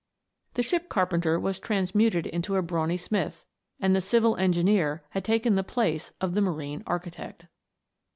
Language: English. The ship carpenter was transmuted into a brawny smith, and the civil engineer had taken the place of the marine architect.